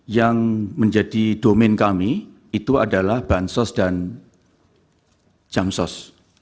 yang menjadi domen kami itu adalah bansos dan jamsos